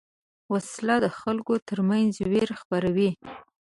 وسله د خلکو تر منځ وېره خپروي